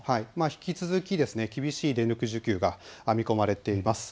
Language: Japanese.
引き続き厳しい電力需給が見込まれています。